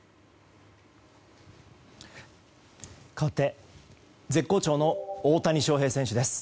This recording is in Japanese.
かわって絶好調の大谷翔平選手です。